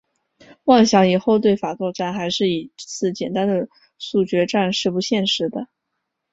妄想以后对法作战还是一次简单的速决战是不现实的。